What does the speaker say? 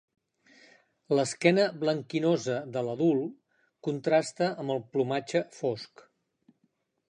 L'esquena blanquinosa de l'adult contrasta amb el plomatge fosc.